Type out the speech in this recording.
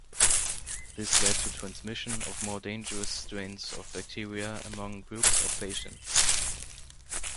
This led to transmission of more dangerous strains of bacteria among groups of patients.